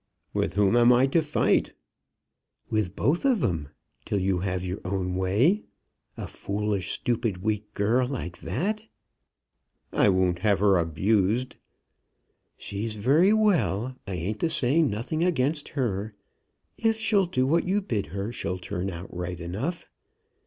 "With whom am I to fight?" "With both of 'em; till you have your own way. A foolish, stupid, weak girl like that!" "I won't have her abused." "She's very well. I ain't a saying nothing against her. If she'll do what you bid her, she'll turn out right enough.